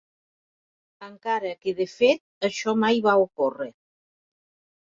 Encara que de fet, això mai va ocórrer.